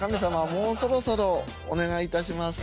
もうそろそろお願いいたします。